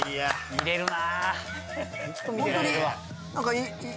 見れるな。